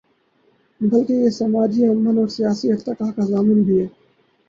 بلکہ یہ سماجی امن اور سیاسی ارتقا کا ضامن بھی ہے۔